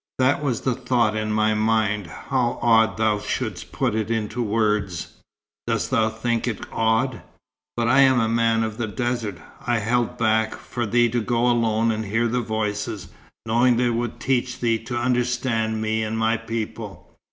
"That was the thought in my mind. How odd thou shouldst put it into words." "Dost thou think it odd? But I am a man of the desert. I held back, for thee to go alone and hear the voices, knowing they would teach thee to understand me and my people.